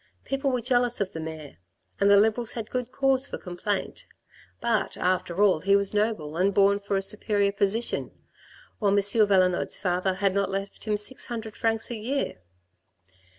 People were jealous of the mayor, and the Liberals had good cause for complaint, but, after all, he was noble and born for a superior position, while M. Valenod's father had not left him six hundred francs a year.